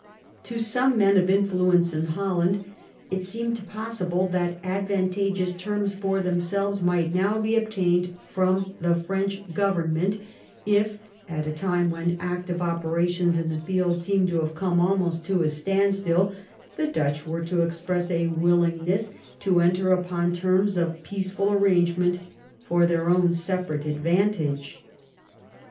To some men of influence in Holland it seemed possible that advantageous terms for themselves might now be obtained from the French government if, at a time when active operations in the field seemed to have come almost to a stand still, the Dutch were to express a willingness to enter upon terms of peaceful arrangement for their own separate advantage.